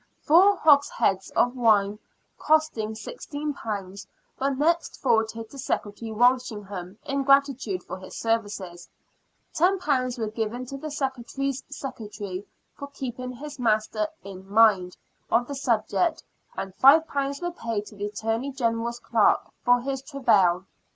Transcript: Four hogsheads of wine, costing £16, were next forwarded to Secretary Walsingham in gratitude for his services, £10 were given to the secre tary's secretary for keeping his master " in mind " of the subject, and £5 were paid to the Attorney General's clerk *' for his travail."